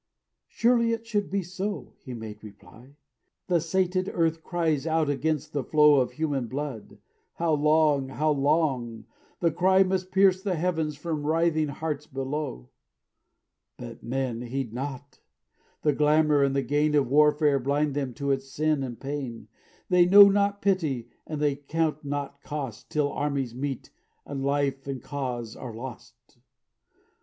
"Surely it should be so," he made reply; "The sated earth cries out against the flow Of human blood: 'How long? how long?' The cry Must pierce the heavens from writhing hearts below. "But men heed not; the glamor and the gain Of warfare blind them to its sin and pain; They know not pity and they count not cost Till armies meet and life and cause are lost.